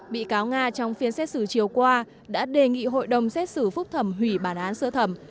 bị cáo nga trong phiên xét xử chiều qua đã đề nghị hội đồng xét xử phúc thẩm hủy bản án sơ thẩm